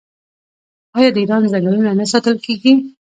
آیا د ایران ځنګلونه نه ساتل کیږي؟